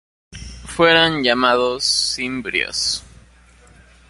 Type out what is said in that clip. Fueron llamados "cimbrios".